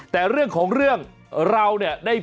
แต่เรื่องของเรื่องเราเนี่ย